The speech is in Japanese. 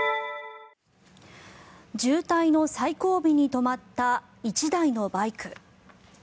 渋滞の最後尾に止まった１台のバイク。